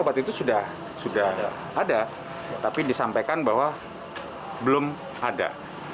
ada tapi disampaikan bahwa belum ada